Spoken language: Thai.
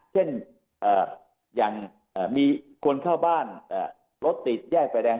เช่นอย่างมีคนเข้าบ้านรถติดแยกไฟแดง